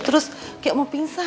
terus kayak mau pingsan